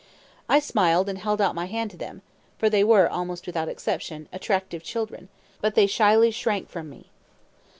I smiled and held out my hand to them, for they were, almost without exception, attractive children; but they shyly shrank from me.